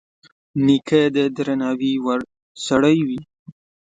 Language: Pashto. نیکه د درناوي وړ سړی وي.